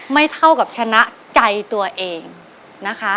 เท่ากับชนะใจตัวเองนะคะ